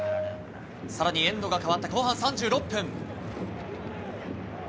さらにエンドが変わった後半３６分。